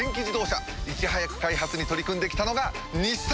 いち早く開発に取り組んで来たのが日産！